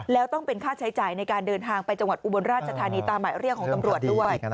แล้วต้องเป็นค่าใช้จ่ายในการเดินทางไปจังหวัดอุบลราชธานีตามหมายเรียกของตำรวจด้วย